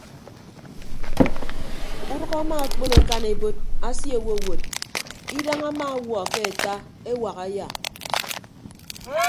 Udʌk ama akpon akan ebot asie owowot idañ ama ọwuọ ke ata ewak aya.